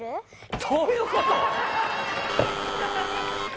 どういうこと？